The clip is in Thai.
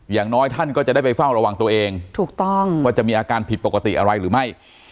อย่างน้อยท่านก็จะได้ไปเฝ้าระวังตัวเองถูกต้องว่าจะมีอาการผิดปกติอะไรหรือไม่